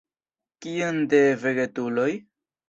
Kiom de vegetuloj?